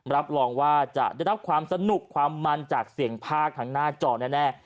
รับรองว่าจะได้รับความสนุกความมันจากเสียงภาคทางหน้าจอแน่